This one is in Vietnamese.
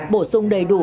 bổ sung đầy đủ